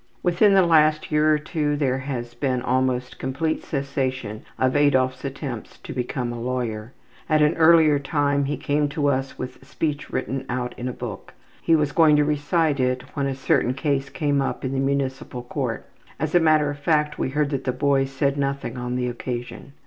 Within the last year or two there has been almost complete cessation of Adolf's attempt to become a lawyer. At an earlier time he came to us with a speech written out in a book. He was going to recite it when a certain case came up in the Municipal Court. As a matter of fact we heard that the boy said nothing on the occasion.